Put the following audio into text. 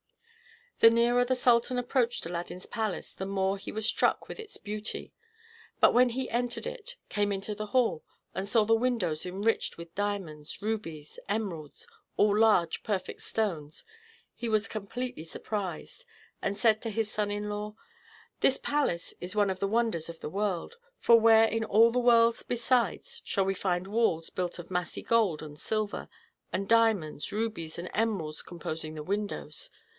The nearer the sultan approached Aladdin's palace the more he was struck with its beauty; but when he entered it, came into the hall, and saw the windows enriched with diamonds, rubies, emeralds, all large, perfect stones, he was completely surprised, and said to his son in law: "This palace is one of the wonders of the world; for where in all the world besides shall we find walls built of massy gold and silver, and diamonds, rubies, and emeralds composing the windows?